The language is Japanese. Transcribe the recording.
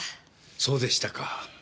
そうでしたか。